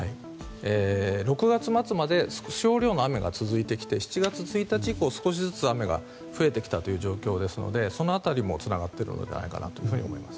６月末まで少量の雨が続いてきて７月１日から少しずつ雨が増えてきた状況ですのでその辺りもつながっているんじゃないかと思います。